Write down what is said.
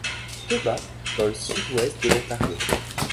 Thomas, dans le sud-ouest de l'Ontario.